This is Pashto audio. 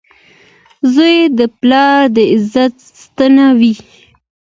• زوی د پلار د عزت ستن وي.